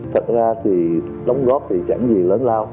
thật ra thì đóng góp thì chẳng gì lớn lao